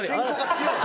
強い。